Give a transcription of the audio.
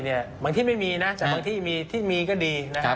ใช่บางที่ไม่มีนะแต่บางที่มีก็ดีนะครับ